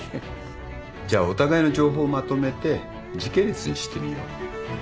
じゃあお互いの情報まとめて時系列にしてみよう。